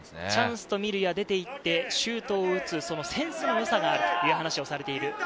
チャンスとみるや出て行って、シュートを打つ、そのセンスのよさがという話をされている。